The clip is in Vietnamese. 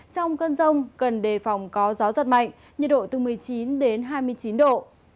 trong cơn rông cần đề phòng có gió giật mạnh nhiệt độ từ một mươi chín đến hai mươi chín độ